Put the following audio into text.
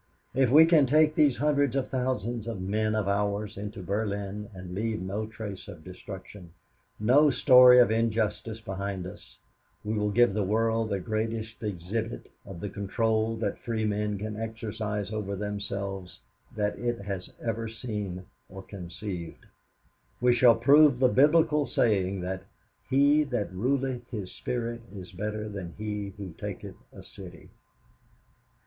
If we can take these hundreds of thousands of men of ours into Berlin and leave no trace of destruction, no story of injustice behind us, we will give the world the greatest exhibit of the control that free men can exercise over themselves that it has ever seen or conceived. We shall prove the Biblical saying that "He that ruleth his spirit is better than he who taketh a city."